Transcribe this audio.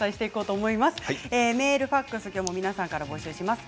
メール、ファックスきょうも皆さんから募集します。